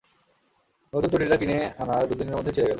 নতুন চটিটা কিনে আনার দুদিনের মধ্যেই ছিড়ে গেল!